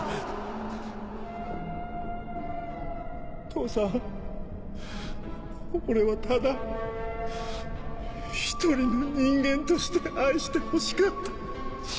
父さん俺はただ一人の人間として愛してほしかった